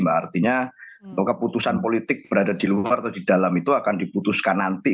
artinya keputusan politik berada di luar atau di dalam itu akan diputuskan nanti